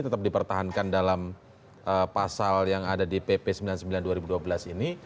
tetap dipertahankan dalam pasal yang ada di pp sembilan puluh sembilan dua ribu dua belas ini